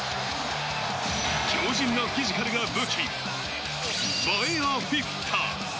強靭なフィジカルが武器、ヴァエア・フィフィタ。